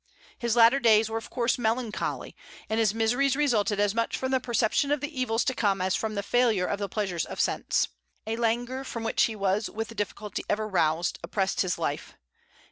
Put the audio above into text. His latter days were of course melancholy, and his miseries resulted as much from the perception of the evils to come as from the failure of the pleasures of sense. A languor, from which he was with difficulty ever roused, oppressed his life.